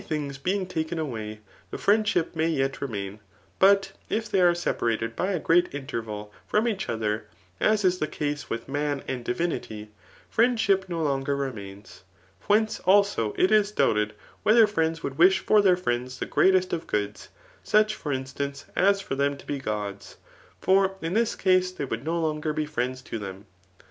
For many diings being taken away, the friendship may yet remain ; but if they are separated by a great interval from each other, as is the case with man and diyinity, friendship no tenger remains. Whence, also, it is doubted, whether friends would wish for their frirads the greatest of goods, such, for instance, as for them to be gods ; for in this case they would no longer be friends to them.